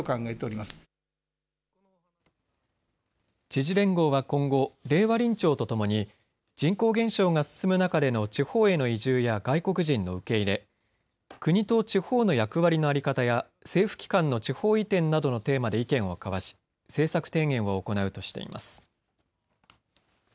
知事連合は今後、令和臨調とともに人口減少が進む中での地方への移住や外国人の受け入れ、国と地方の役割の在り方や政府機関の地方移転などのテーマで意見を交わし政策提言を行うとしています。